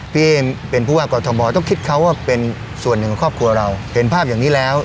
ที่เป็นผู้ว่ากอทมต้องคิดเขาว่าเป็นส่วนหนึ่งของครอบครัวเราเห็นภาพอย่างนี้แล้ว